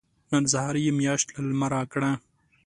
نن سهار يې مياشت له لمره کړه.